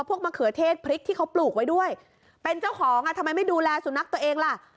มะเขือเทศพริกที่เขาปลูกไว้ด้วยเป็นเจ้าของอ่ะทำไมไม่ดูแลสุนัขตัวเองล่ะ